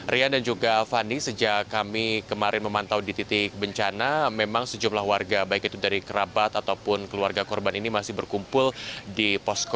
rian dan juga fani sejak kami kemarin memantau di titik bencana memang sejumlah warga baik itu dari kerabat ataupun keluarga korban ini masih berkumpul di posko